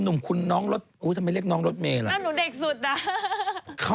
นั่นหนูเด็กสุดน่ะ